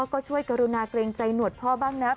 ก็ช่วยกรุณาเกรงใจหนวดพ่อบ้างนะ